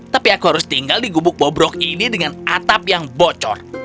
tapi aku harus tinggal di gubuk bobrok ini dengan atap yang bocor